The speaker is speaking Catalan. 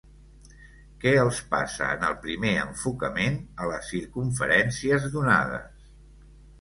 Què els passa en el primer enfocament a les circumferències donades?